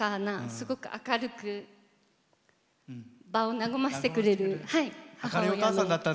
すごく明るく場を和ませてくれる母親。